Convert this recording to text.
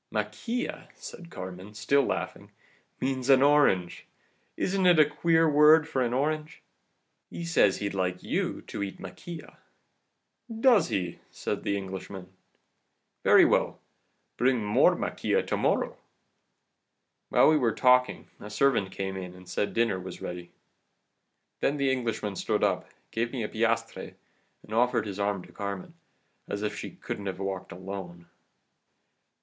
"'Maquila,' said Carmen, still laughing, 'means an orange. Isn't it a queer word for an orange? He says he'd like you to eat maquila.' "'Does he?' said the Englishman. 'Very well, bring more maquila to morrow.' "While we were talking a servant came in and said dinner was ready. Then the Englishman stood up, gave me a piastre, and offered his arm to Carmen, as if she couldn't have walked alone.